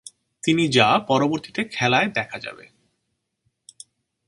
তিনি যা পরবর্তীতে খেলায় দেখা যাবে।